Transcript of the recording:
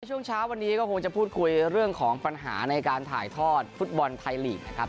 ช่วงเช้าวันนี้ก็คงจะพูดคุยเรื่องของปัญหาในการถ่ายทอดฟุตบอลไทยลีกนะครับ